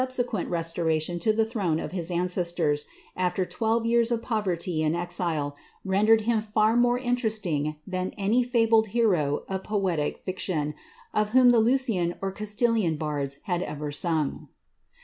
sequent restoration to the throne of his ancestors, aAtf twelre yean of poverty and exile, rendered him far more interesting than any labled hero of poetic fiction, of whom the Lusian or Castilian btrds had ever sung.